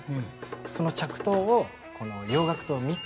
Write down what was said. その着到をこの洋楽とミックスする。